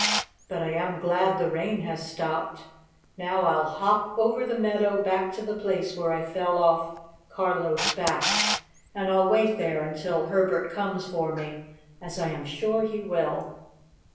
"But I am glad the rain has stopped. Now I'll hop over the meadow, back to the place where I fell off Carlo's back, and I'll wait there until Herbert comes for me, as I am sure he will."